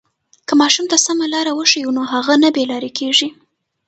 که ماشوم ته سمه لاره وښیو نو هغه نه بې لارې کېږي.